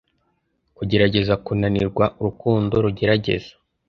kugerageza kunanirwa nurukundo rugerageza